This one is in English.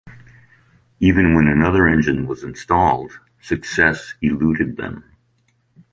Even when another engine was installed, success eluded them.